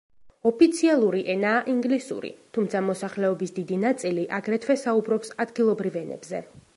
ოფიციალური ენაა ინგლისური, თუმცა მოსახლეობის დიდი ნაწილი აგრეთვე საუბრობს ადგილობრივ ენებზე.